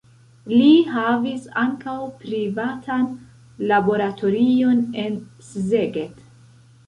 Li havis ankaŭ privatan laboratorion en Szeged.